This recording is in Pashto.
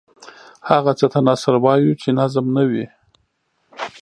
هغه څه ته نثر وايو چې نظم نه وي.